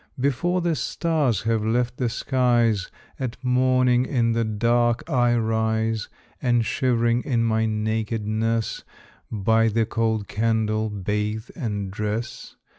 Before the stars have left the skies, At morning in the dark I rise; And shivering in my nakedness, By the cold candle, bathe and dress.